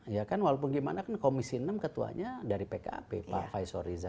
ya kan walaupun gimana kan komisi enam ketuanya dari pkp pak faisal riza